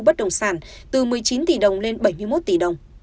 bất đồng sản từ một mươi chín tỷ đồng lên bảy mươi một tỷ đồng